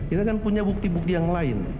kita kan punya bukti bukti yang lain